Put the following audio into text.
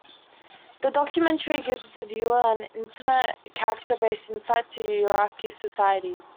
The documentary gives the viewer an intimate, character-based insight into Iraqi society.